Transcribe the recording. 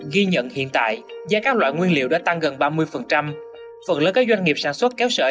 ghi nhận hiện tại giá các loại nguyên liệu đã tăng gần ba mươi phần lớn các doanh nghiệp sản xuất kéo sợi